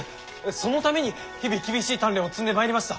そのために日々厳しい鍛錬を積んでまいりました。